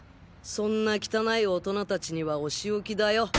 そんな汚い大人たちにはおしおきだよ。